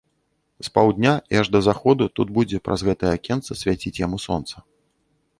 З паўдня і аж да заходу тут будзе праз гэтае акенца свяціць яму сонца.